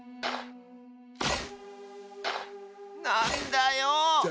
なんだよう！